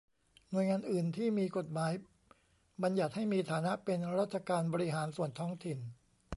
หน่วยงานอื่นที่มีกฎหมายบัญญัติให้มีฐานะเป็นราชการบริหารส่วนท้องถิ่น